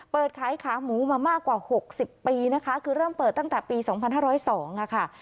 เปิดขายขาหมูมามากกว่าหกสิบปีนะคะคือเริ่มเปิดตั้งแต่ปีสองพันห้าร้อยสองค่ะ